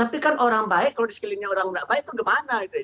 tapi kan orang baik kalau di sekelilingnya orang tidak baik itu gimana gitu ya